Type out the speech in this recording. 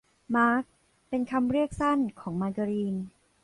มาร์ก เป็นคำเรียกสั้นของมาการีน